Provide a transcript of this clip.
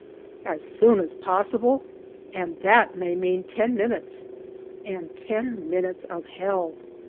As soon as possible ! and that may mean ten minutes, and ten minutes of Hell.